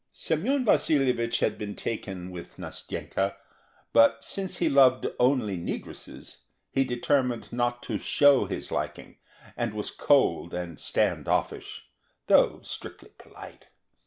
Semyon Vasilyevich had been taken with Nastenka; but since he loved only negresses, he determined not to show his liking, and was cold and stand offish, though strictly polite.